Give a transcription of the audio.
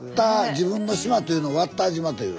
自分の島っていうの「わった島」という。